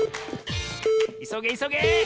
いそげいそげ！